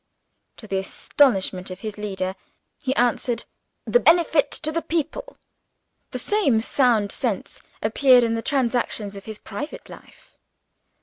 To the astonishment of his leader, he answered: "The benefit to the people." The same sound sense appeared in the transactions of his private life.